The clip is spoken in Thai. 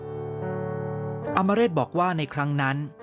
อามเรศบอกว่าในครั้งนั้น